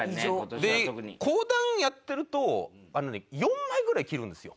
講談やってると４枚ぐらい着るんですよ。